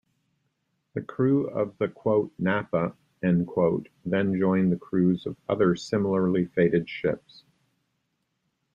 The crew of the "Napa" then joined the crews of other similarly fated ships.